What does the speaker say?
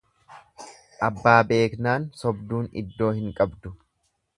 Abbaa beeknaan sobduun iddoo hin qabdu.